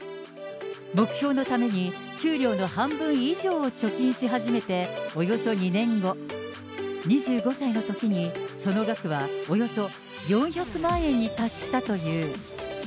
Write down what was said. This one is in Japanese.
目標のために給料の半分以上を貯金し始めておよそ２年後、２５歳のときに、その額はおよそ４００万円に達したという。